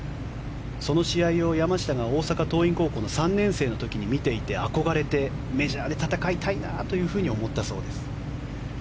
その試合を山下が大阪桐蔭高校の３年生の時に見ていて憧れて、メジャーで戦いたいなと思ったそうです。